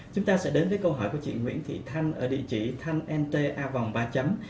chúng ta sẽ đến với câu hỏi của chị nguyễn thị thanh ở địa chỉ thanh nt a vòng ba chấm